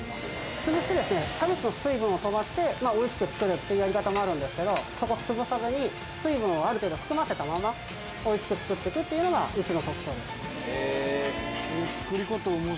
つぶしてキャベツの水分を飛ばしておいしく作るやり方もあるけどつぶさずに水分をある程度含ませたままおいしく作ってくっていうのがうちの特徴です。